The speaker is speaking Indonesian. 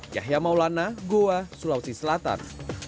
yahya maulana goa sulawesi selatan